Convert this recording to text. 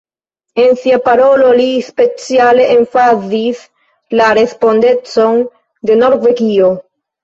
En sia parolo, li speciale emfazis la respondecon de Norvegio.